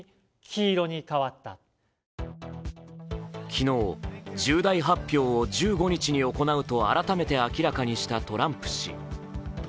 昨日、重大発表を１５日に行うと改めた明かしたトランプ氏。